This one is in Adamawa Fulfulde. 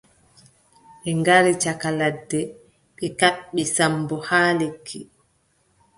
Ɓe ngari caka ladde ɓe kaɓɓi Sammbo haa lekki.